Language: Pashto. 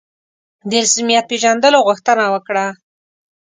د رسمیت پېژندلو غوښتنه وکړه.